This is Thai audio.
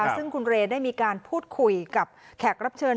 ซึ่งคุณเรย์ได้มีการพูดคุยกับแขกรับเชิญ